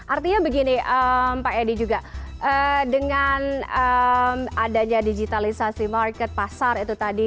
artinya begini pak edi juga dengan adanya digitalisasi market pasar itu tadi